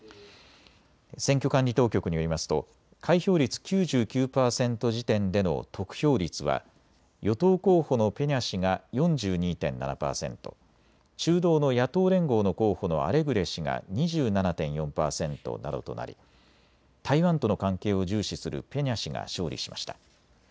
選挙管理当局によりますと開票率９９％時点での得票率は与党候補のペニャ氏が４２．７％、中道の野党連合の候補のアレグレ氏が２７．４％などとなり、台湾との関係を重視するペニャ氏が勝利しました。